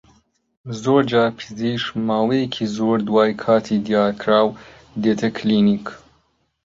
زۆرجار پزیشک ماوەیەکی زۆر دوای کاتی دیاریکراو دێتە کلینیک